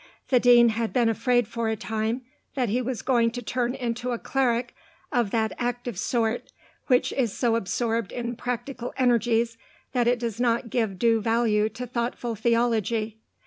The Dean had been afraid for a time that he was going to turn into a cleric of that active sort which is so absorbed in practical energies that it does not give due value to thoughtful theology.